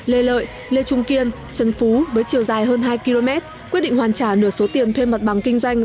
lê lợi lê trung kiên trần phú với chiều dài hơn hai km quyết định hoàn trả nửa số tiền thuê mặt bằng kinh doanh